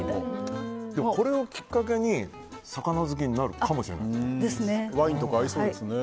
これをきっかけに魚好きになるかもしれない。